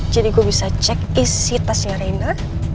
jadi gue bisa cek isi tasnya reina